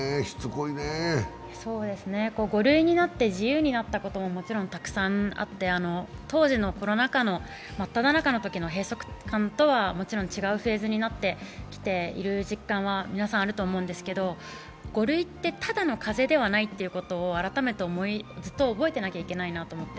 ５類になって自由になったこともたくさんあって、当時のコロナ禍の真っただ中の閉塞感とはもちろん違うフェーズになってきている実感は皆さんあると思うんですけど、５類ってただの風邪ではないということを改めてずっと覚えていないといけないと思って。